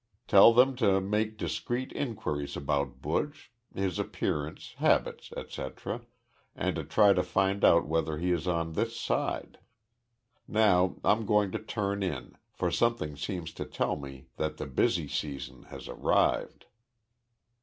Tell them to make discreet inquiries about Buch, his appearance, habits, etc., and to try and find out whether he is on this side. Now I'm going to turn in, for something seems to tell me that the busy season has arrived."